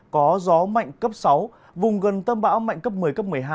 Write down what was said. có gió mạnh cấp sáu vùng gần tâm bão mạnh cấp một mươi cấp một mươi hai